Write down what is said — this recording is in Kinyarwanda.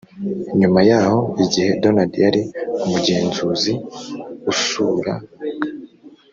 nyuma yaho igihe donald yari umugenzuzi usura